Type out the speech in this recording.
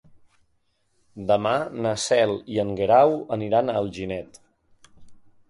Demà na Cel i en Guerau aniran a Alginet.